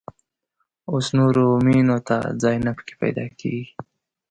اوس نورو مېنو ته ځای نه په کې پيدا کېږي.